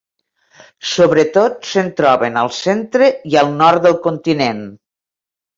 Sobretot se'n troben al centre i al nord del continent.